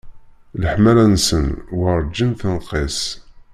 Leḥmala-nsen werǧin tenqis.